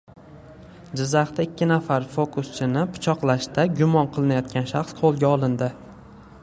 Jizzaxda ikki nafar fokuschini pichoqlashda gumon qilinayotgan shaxs qo‘lga olindi